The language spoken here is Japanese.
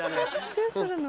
チュウするの？